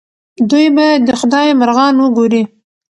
دوی به د خدای مرغان وګوري.